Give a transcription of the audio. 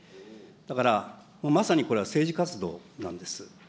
だからまさにこれは政治活動なんです。